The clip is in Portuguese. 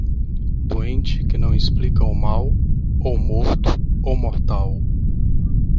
Doente que não explica o mal, ou morto ou mortal.